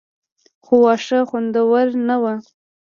خو واښه خونخواره نه وو.